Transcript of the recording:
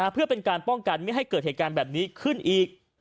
เพื่อเป็นการป้องกันไม่ให้เกิดเหตุการณ์แบบนี้ขึ้นอีก